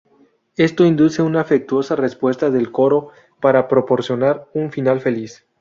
Esto induce una afectuosa respuesta del coro para proporcionar un feliz final.